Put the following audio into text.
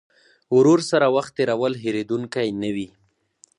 ورور سره وخت تېرول هېرېدونکی نه وي.